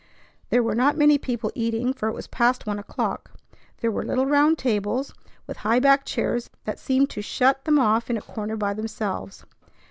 There were not many people eating, for it was past one o'clock. There were little round tables with high backed chairs that seemed to shut them off in a corner by themselves.